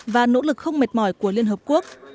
và nỗ lực không mệt mỏi của liên hợp quốc